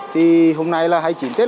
thì hôm nay là hai mươi chín tết